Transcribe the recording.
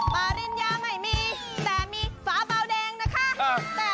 พี่แทบของคุณสองด้วยนะคะ